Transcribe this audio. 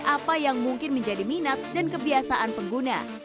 apa yang mungkin menjadi minat dan kebiasaan pengguna